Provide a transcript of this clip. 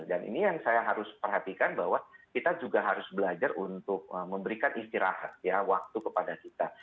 dan ini yang saya harus perhatikan bahwa kita juga harus belajar untuk memberikan istirahat waktu kepada kita